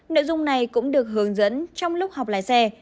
nội dung này cũng được hướng dẫn trong lúc học lái xe